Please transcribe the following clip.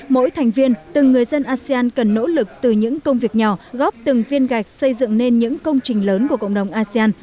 mỗi thành viên từng người dân asean cần nỗ lực từ những công việc nhỏ góp từng viên gạch xây dựng nên những công trình lớn của cộng đồng asean